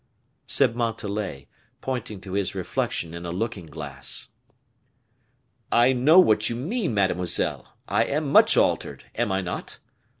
said Montalais, pointing to his reflection in a looking glass. "I know what you mean, mademoiselle; I am much altered, am I not?